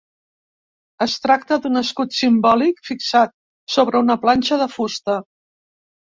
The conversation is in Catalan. Es tracta d'un escut simbòlic fixat sobre una planxa de fusta.